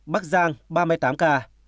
bắc giang ba mươi tám ca